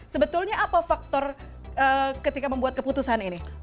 sebetulnya apa faktor ketika membuat keputusan ini